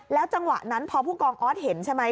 จังหวะนั้นพอผู้กองออสเห็นใช่ไหม